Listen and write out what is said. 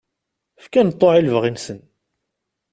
Fkan ṭṭuɛ i lebɣi-nsen.